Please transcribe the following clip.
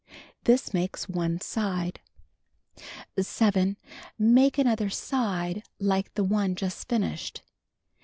This makes one side. 7. Make another side like the one just finished.